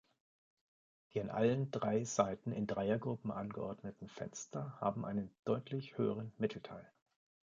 Die an allen drei Seiten in Dreiergruppen angeordneten Fenster haben einen deutlich höheren Mittelteil.